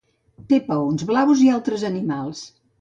Té paons blaus i altres animals.